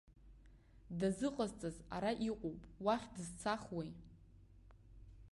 Дазыҟазҵаз ара иҟоуп, уахь дызцахуеи.